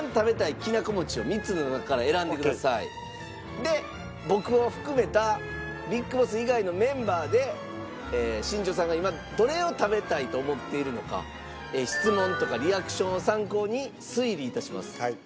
で僕を含めたＢＩＧＢＯＳＳ以外のメンバーで新庄さんが今どれを食べたいと思っているのか質問とかリアクションを参考に推理致します。